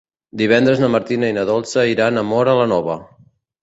Divendres na Martina i na Dolça iran a Móra la Nova.